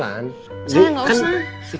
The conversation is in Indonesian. sayang gak usah